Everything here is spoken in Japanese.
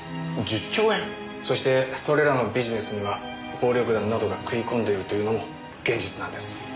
そしてそれらのビジネスには暴力団などが食い込んでるというのも現実なんです。